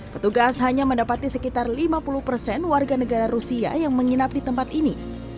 petugas hanya mendapati sekitar lima puluh persen warga negara rusia yang menginap di tempat ini